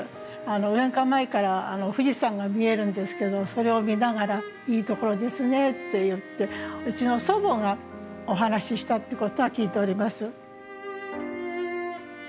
玄関前から富士山が見えるんですけどそれを見ながら「いいところですね」って言ってうちの祖母がお話ししたってことは聞いております。